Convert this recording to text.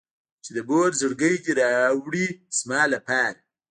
چې د مور زړګی دې راوړي زما لپاره.